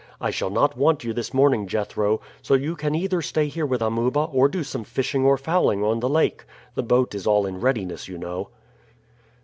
I shall not want you this morning, Jethro; so you can either stay here with Amuba or do some fishing or fowling on the lake. The boat is all in readiness, you know."